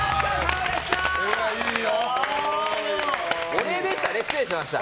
お礼でしたね、失礼しました。